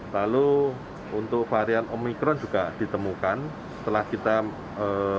lalu untuk varian omikron juga ditemukan setelah kita mendapatkan